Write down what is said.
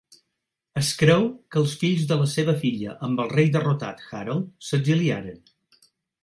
Es creu que els fills de la seva filla amb el rei derrotat Harold s'exiliaren.